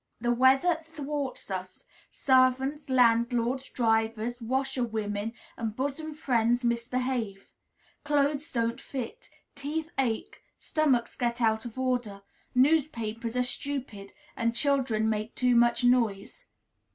The weather thwarts us; servants, landlords, drivers, washerwomen, and bosom friends misbehave; clothes don't fit; teeth ache; stomachs get out of order; newspapers are stupid; and children make too much noise.